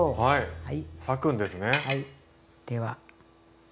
はい。